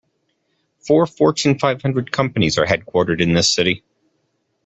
Four Fortune Five Hundred companies are headquartered in this city.